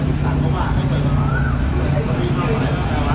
ปิ่นออกมาไม่ได้ปล่อยมาก่อนสูงนี่ใครสิเฮียดให้ไข